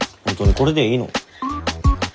これがいいの。